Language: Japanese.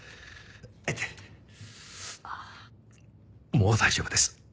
もう大丈夫です。